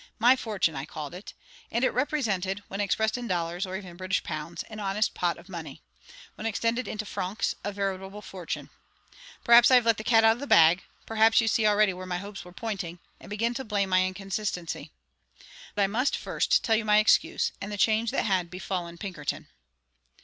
My fortune, I called it; and it represented, when expressed in dollars, or even British pounds, an honest pot of money; when extended into francs, a veritable fortune. Perhaps I have let the cat out of the bag; perhaps you see already where my hopes were pointing, and begin to blame my inconsistency. But I must first tell you my excuse, and the change that had befallen Pinkerton.